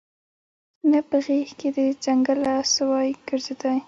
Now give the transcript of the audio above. نه په غېږ کي د ځنګله سوای ګرځیدلای